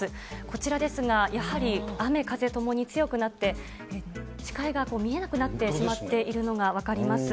こちらですが、やはり雨風ともに強くなって、視界が見えなくなってしまっているのが分かります。